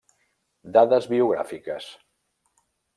Dades biogràfiques.